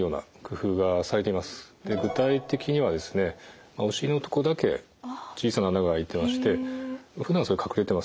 具体的にはお尻のとこだけ小さな穴が開いてましてふだんそれ隠れてます。